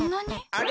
あれ？